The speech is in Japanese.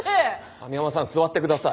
網浜さん座って下さい。